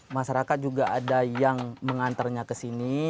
masyarakat juga ada yang mengantarnya ke sini